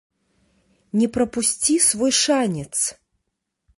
Не прапусці свой шанец!